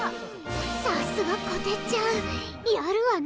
さすがこてっちゃんやるわね。